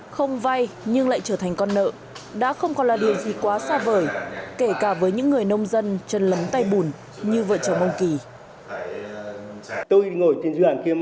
không vay nhưng lại trở thành con nợ đã không còn là điều gì quá xa vời kể cả với những người nông dân chân lấm tay bùn như vợ chồng ông kỳ